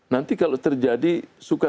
nanti kalau terjadi suka